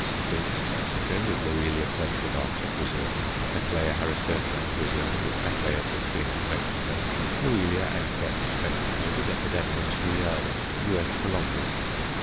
citrina_, Mexico, with Loelia purpurata, Brazil; Catt. Harrisoniæ, Brazil, with Catt. citrina, Mexico; Loelia anceps, Mexico, with Epidendrum ciliare, U.S. Colombia.